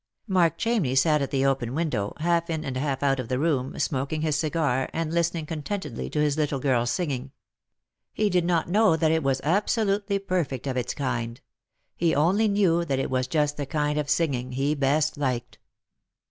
Mark Chamney sat at the open window, half in and half out of the room, smoking his cigar, and listening con tentedly to his little girl's singing. He did not know that it 128 Lost for Love. was absolutely perfect of its kind. He only knew that it was just the kind of singing he best liked.